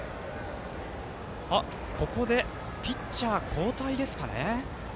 ここでピッチャー交代ですかね。